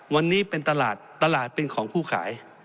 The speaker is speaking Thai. วันนี้เป็นตลาดตลาดเป็นของผู้ขาย